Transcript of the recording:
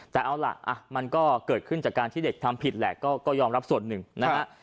แต่เอาล่ะมันก็เกิดขึ้นจากการที่เด็กทำผิดแหละก็ยอมรับส่วนหนึ่งนะฮะ